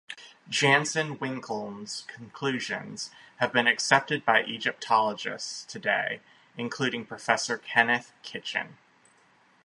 Jansen-Winkeln's conclusions have been accepted by Egyptologists today including Professor Kenneth Kitchen.